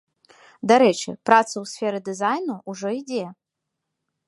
Дарэчы, праца ў сферы дызайну ўжо ідзе.